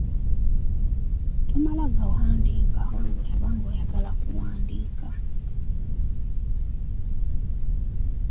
Tomala gawandiika kubanga oyagala kuwandiika.